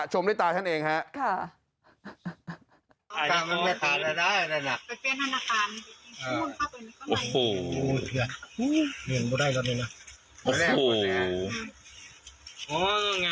ชมได้ตาฉันเองฮะค่ะ